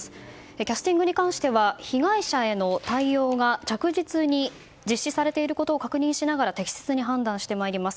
キャスティングに関しては被害者への対応が着実に実施されていることを確認しながら適切に判断してまいります。